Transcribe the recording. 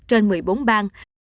trên một mươi bốn ban